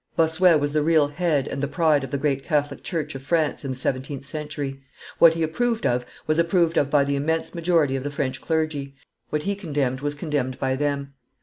Bossuet was the real head and the pride of the great Catholic church of France in the seventeenth century; what he approved of was approved of by the immense majority of the French clergy, what he condemned was condemned by them.